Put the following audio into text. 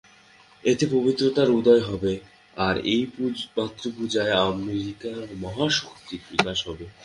এতে পবিত্রতার উদয় হবে, আর এই মাতৃপূজায় আমেরিকার মহাশক্তির বিকাশ হবে।